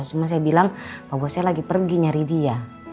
cuma saya bilang pak bosnya lagi pergi nyari dia